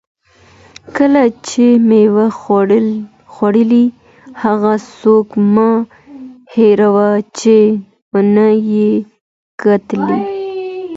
کله چې مېوه خورې، هغه څوک مه هېروه چې ونه یې کرلې.